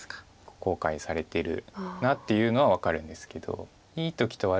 後悔されてるなっていうのは分かるんですけどいい時と悪い時では。